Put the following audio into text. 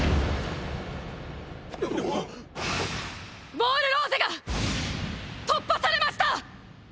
ウォール・ローゼが突破されました！！